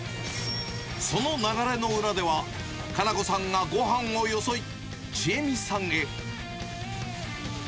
その流れの裏では、香菜子さんがごはんをよそい、智恵美さんへ。